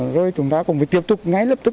rồi chúng ta cũng phải tiếp tục ngay lập tức